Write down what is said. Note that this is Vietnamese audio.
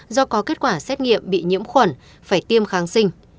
do có kết quả xét nghiệm bị nhiễm khuẩn phải tiêm kháng sinh